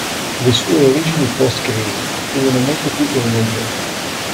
Le sue origini post-"Crisi" furono molto più coinvolgenti.